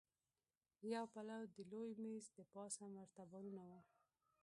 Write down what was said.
يو پلو د لوی مېز دپاسه مرتبانونه وو.